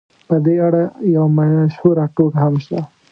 په دې اړه یوه مشهوره ټوکه هم شته.